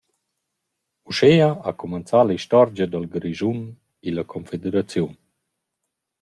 Uschea ha cumanzà l’istorgia dal Grischun illa confederaziun.